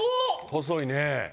細いね